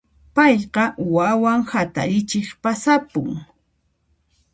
Ipayqa wawan hatarichiq pasapun.